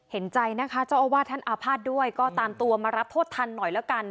เห็นใจนะคะเจ้าอาวาสท่านอาภาษณ์ด้วยก็ตามตัวมารับโทษทันหน่อยแล้วกัน